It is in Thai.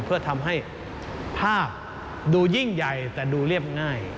เพื่อทำให้ภาพดูยิ่งใหญ่แต่ดูเรียบง่าย